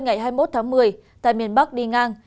ngày hai mươi một tháng một mươi tại miền bắc đi ngang